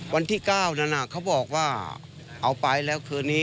วันที่๙นั้นเขาบอกว่าเอาไปแล้วคืนนี้